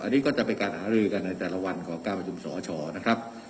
อันนี้ก็จะเป็นการหารือกันในแต่ละวันของการประชุมสชนะครับ